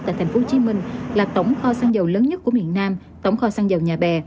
tại thành phố hồ chí minh là tổng kho xăng dầu lớn nhất của miền nam tổng kho xăng dầu nhà bè